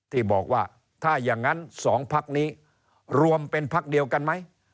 ที่บอกว่าถ้าอย่างนั้น๒พักนี้รวมเป็นพักเดียวกันไหม